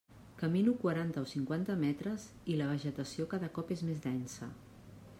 Camino quaranta o cinquanta metres i la vegetació cada cop és més densa.